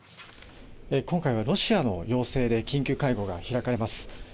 今回はロシアの要請で緊急会合が開かれます。